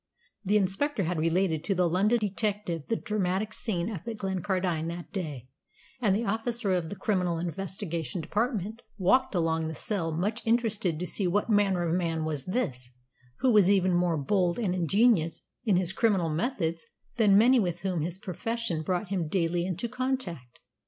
The inspector had related to the London detective the dramatic scene up at Glencardine that day, and the officer of the Criminal Investigation Department walked along to the cell much interested to see what manner of man was this, who was even more bold and ingenious in his criminal methods than many with whom his profession brought him daily into contact.